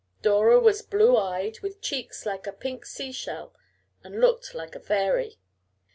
Dora was blue eyed, with cheeks like a pink sea shell, and looked like a fairy.